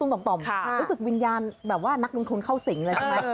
รู้สึกวิญญาณแบบว่านักลงทุนเข้าสิงเลยใช่ไหม